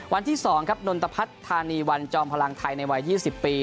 วันที่๒ครับนนตพัฒนธานีวันจอมพลังไทยในวัย๒๐ปี